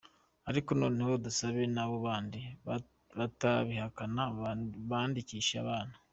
Ariko noneho dusabe na ba bandi batabihakana bandikishe abana.